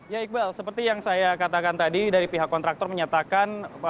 ya iqbal seperti yang saya katakan tadi dari pihak kontraktor menyatakan